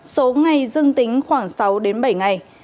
số ngày dương tính khoảng sáu đến bảy ngày